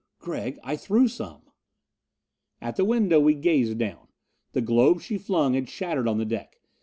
"Gregg. I threw some." At the window we gazed down. The globes she flung had shattered on the deck.